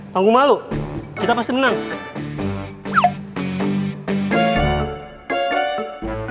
panggung malu kita pasti menang